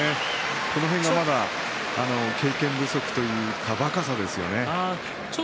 この辺がまだ経験不足というか若さですよね。